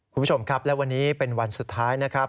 คุณผู้ชมครับและวันนี้เป็นวันสุดท้ายนะครับ